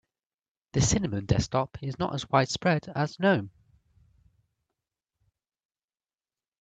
The cinnamon desktop is not as widespread as gnome.